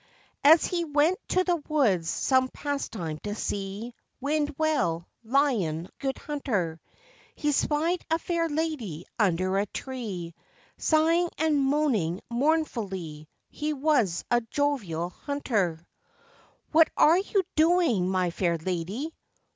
As he went to the woods some pastime to see, Wind well, Lion, good hunter, He spied a fair lady under a tree, Sighing and moaning mournfully. He was a jovial hunter. 'What are you doing, my fair lady!